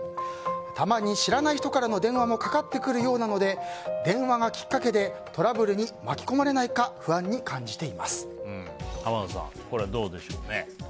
たまに知らない人からの電話もかかってくるようなので電話がきっかけでトラブルに巻き込まれないか濱田さん、これはどうでしょう。